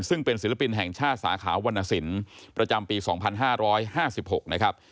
ซึ่งเป็นศิลปินแห่งชาติสาขาวรรณสินประจำปี๒๕๕๖นะครับ